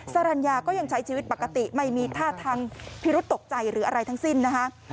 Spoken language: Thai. สรรญาก็ยังใช้ชีวิตปกติไม่มีท่าทางพิรุษตกใจหรืออะไรทั้งสิ้นนะคะ